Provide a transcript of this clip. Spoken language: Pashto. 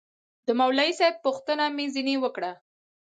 د مولوي صاحب پوښتنه مې ځنې وكړه.